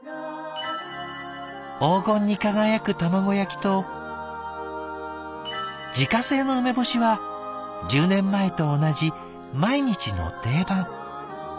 黄金に輝く卵焼きと自家製の梅干しは１０年前と同じ毎日の定番。